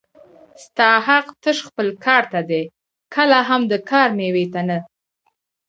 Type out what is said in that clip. ستا حق تش خپل کار ته دی کله هم د کار مېوې ته نه